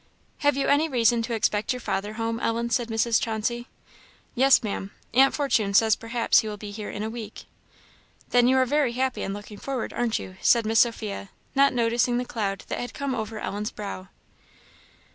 "Have you any reason to expect your father home, Ellen?" said Mrs. Chauncey. "Yes, Ma'am; aunt Fortune says perhaps he will be here in a week." "Then you are very happy in looking forward, aren't you?" said Miss Sophia, not noticing the cloud that had come over Ellen's brow.